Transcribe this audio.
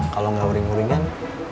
kalau gak uring uringan